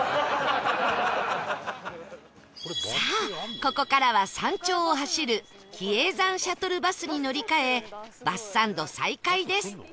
さあここからは山頂を走る比叡山シャトルバスに乗り換えバスサンド再開です